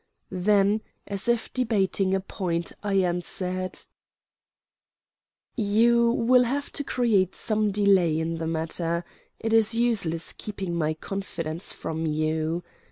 Then, as if debating a point, I answered: "You will have to create some delay in the matter. It is useless keeping my confidence from you.